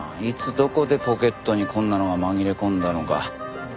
いつどこでポケットにこんなのが紛れ込んだのか。